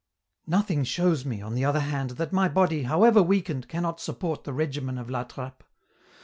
" Nothmg shows me, on the other hand, that my body, however weakened, cannot support the regimen of La Trappe.